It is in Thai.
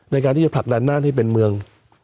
ในการที่จะผลักดันน่านให้เป็นเมือง